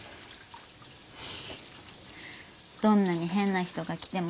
どんなに変な人が来てもさ